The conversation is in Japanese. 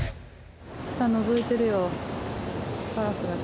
下、のぞいてるよ。